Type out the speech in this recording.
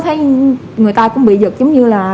thấy người ta cũng bị giật giống như là